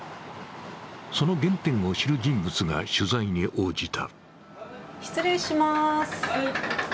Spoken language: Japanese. その原点を知る人物が取材に応じた。